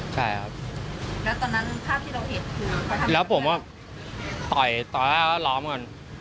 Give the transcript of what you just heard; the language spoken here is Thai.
ใช่ครับแล้วตอนนั้นภาพที่เราเห็นแล้วผมว่าต่อแล้วร้อมก่อน